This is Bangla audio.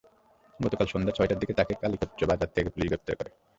গতকাল সন্ধ্যা ছয়টার দিকে তাঁকে কালিকচ্চ বাজার থেকে পুলিশ গ্রেপ্তার করে।